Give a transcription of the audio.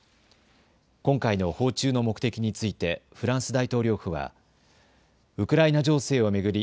今回の訪中の目的についてフランス大統領府はウクライナ情勢を巡り